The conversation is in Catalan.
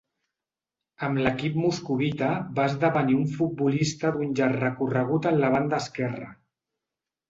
Amb l'equip moscovita va esdevenir un futbolista d'un llarg recorregut en la banda esquerra.